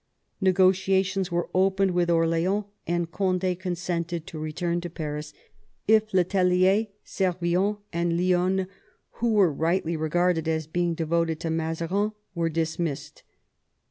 Negotiations were opened with Orleans, and Cond^ consented to return to Paris if le Tellier, Servien, and Lionne, who were rightly re garded as being devoted to Mazarin, were dismissed.